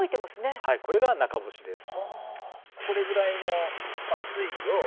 これが中干しです。